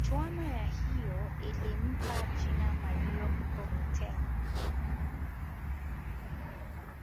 michuano ya hiyo ilimpa jina mario balotel